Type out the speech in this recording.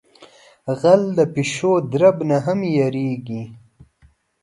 غل د پیشو درب نہ ھم یریگی.